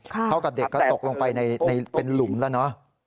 เท่ากับเด็กก็ตกลงไปในเป็นหลุมแล้วเนอะ